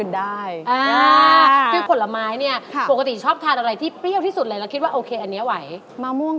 ได้ค่ะต้องลอง